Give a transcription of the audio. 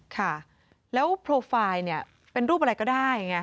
ค่ะแล้วโปรไฟล์เนี่ยเป็นรูปอะไรก็ได้ไง